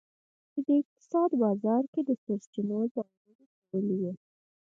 چې د اقتصاد بازار کې د سرچینو ځانګړي کول وي.